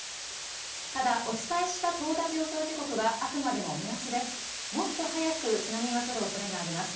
ただお伝えした到達予想時刻はあくまでも目安です。